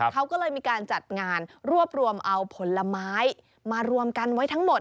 เขาก็เลยมีการจัดงานรวบรวมเอาผลไม้มารวมกันไว้ทั้งหมด